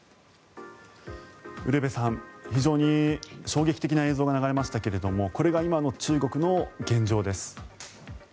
ウルヴェさん、非常に衝撃的な映像が流れましたがこれが今の中国の現状です。